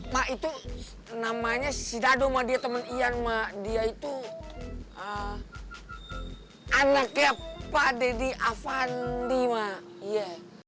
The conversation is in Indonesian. pak itu namanya sidado madya temen iya mak dia itu anaknya pak dedy avandi ma iya